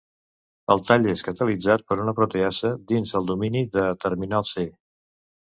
El tall és catalitzat per una proteasa dins del domini de terminal C.